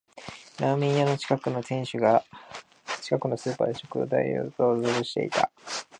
ラーメン屋の店主が近くのスーパーで食材を調達してた